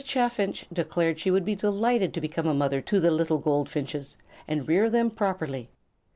Chaffinch declared she would be delighted to become a mother to the little goldfinches, and rear them properly.